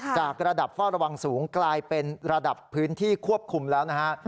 จากระดับเฝ้าระวังสูงกลายเป็นระดับพื้นที่ควบคุมแล้วนะฮะ